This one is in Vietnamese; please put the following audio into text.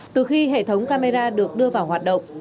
từ khi hệ thống camera được đưa vào hoạt động